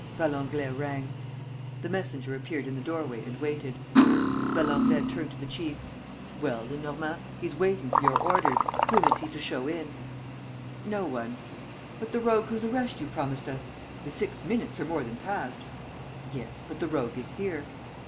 Valenglay rang. The messenger appeared in the doorway and waited. Valenglay turned to the chief: "Well, Lenormand, he's waiting for your orders. Whom is he to show in?" "No one." "But the rogue whose arrest you promised us? The six minutes are more than past." "Yes, but the rogue is here!"